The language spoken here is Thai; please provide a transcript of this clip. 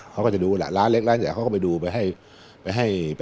เขาก็จะดูแหละร้านเล็กร้านใหญ่เขาก็ไปดูไปให้